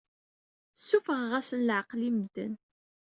Ssuffɣeɣ-asen leɛqel i medden.